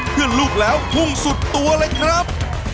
เพื่อนลูกแล้วพุ่งสุดตัวเลยครับ